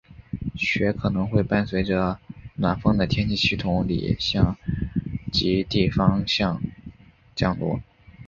雪可能会伴随着暖锋的天气系统里向极地方向降落。